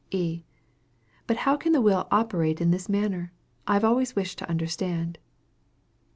E. But how can the will operate in this manner? I have always wished to understand.